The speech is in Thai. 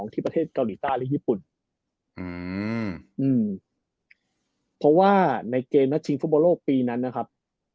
ที่ประเทศเกาหลีใต้หรือญี่ปุ่นอืมอืมเพราะว่าในเกมนัดชิงฟุตบอลโลกปีนั้นนะครับ